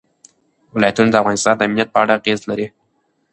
ولایتونه د افغانستان د امنیت په اړه اغېز لري.